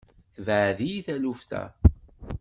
Tebɛed-iyi taluft-a.